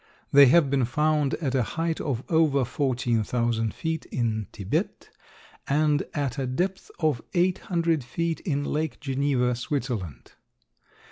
They have been found at a height of over fourteen thousand feet in Thibet and at a depth of eight hundred feet in Lake Geneva, Switzerland.